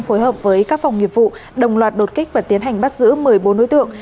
phối hợp với các phòng nghiệp vụ đồng loạt đột kích và tiến hành bắt giữ một mươi bốn đối tượng